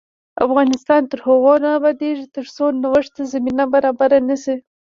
افغانستان تر هغو نه ابادیږي، ترڅو نوښت ته زمینه برابره نشي.